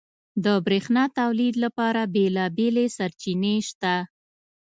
• د برېښنا تولید لپاره بېلابېلې سرچینې شته.